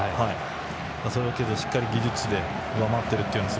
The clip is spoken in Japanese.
それをしっかり技術で上回っているのは